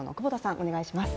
お願いします。